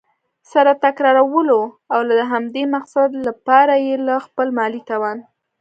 سره تكراروله؛ او د همدې مقصد له پاره یي له خپل مالي توان